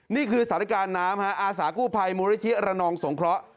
นี่คือสถานการณ์น้ำอาสากู้ภัยมูลิธิระนองสงเคราะห์